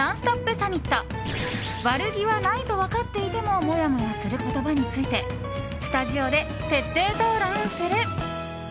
サミット悪気はないと分かっていてもモヤモヤする言葉についてスタジオで徹底討論する！